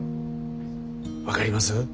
分かります？